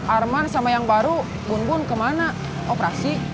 arman sama yang baru bun bun kemana operasi